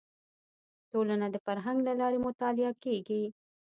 ټولنه د فرهنګ له لارې مطالعه کیږي